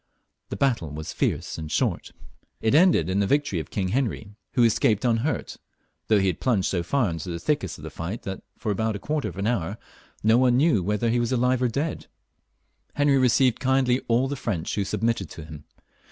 The battle was fierce and short. It ended in the victory of King Heniy, who escaped unhurt, though he had plunged so £eur into the thickest of the fight that, for about a quarter of an hour, no one knew if he were alive or dead. Henry received kindly all t^e French who submitted to him.